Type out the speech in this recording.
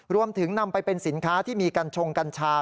รวมถึงนำไปเป็นสินค้าที่มีกัญชงกัญชา